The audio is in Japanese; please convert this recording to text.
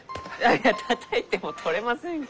いやたたいても取れませんき。